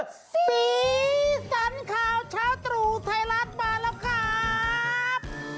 สีสันข่าวเช้าตรู่ไทยรัฐมาแล้วครับ